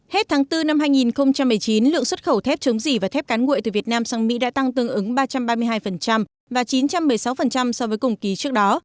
hết tháng bốn năm hai nghìn một mươi chín lượng xuất khẩu thép chống dỉ và thép cán nguội từ việt nam sang mỹ đã tăng tương ứng ba trăm ba mươi hai và chín trăm một mươi sáu so với cùng kỳ trước đó